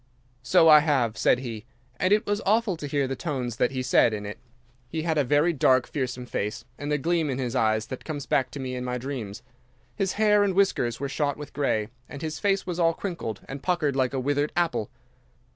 "'"So I have," said he, and it was awful to hear the tones that he said it in. He had a very dark, fearsome face, and a gleam in his eyes that comes back to me in my dreams. His hair and whiskers were shot with grey, and his face was all crinkled and puckered like a withered apple.